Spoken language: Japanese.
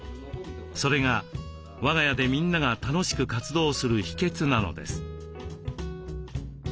それが「和がや」でみんなが楽しく活動する秘けつなのです。